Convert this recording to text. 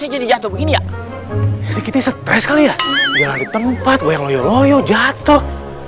jadi jatuh begini ya sedikit stress kali ya jangan ditempat goyang loyo loyo jatuh